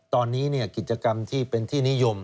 ตอนนี้กิจกรรมที่เป็นที่นิยม